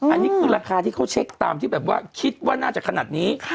อันนี้คือราคาที่เขาเช็คตามที่แบบว่าคิดว่าน่าจะขนาดนี้